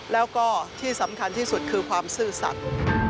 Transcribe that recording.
แล้วก็ที่สำคัญที่สุดคือความซื่อสัตว์